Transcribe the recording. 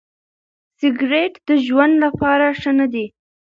سګریټ د ژوند لپاره ښه نه دی.